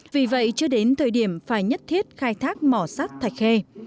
vì vậy chưa đến thời điểm phải nhất thiết khai thác mỏ sắt thạch khê